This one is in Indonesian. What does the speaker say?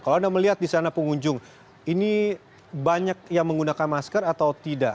kalau anda melihat di sana pengunjung ini banyak yang menggunakan masker atau tidak